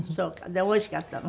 でおいしかったの？